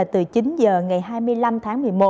từ chín h ngày hai mươi năm tháng một mươi một